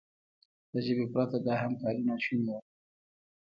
له ژبې پرته دا همکاري ناشونې وه.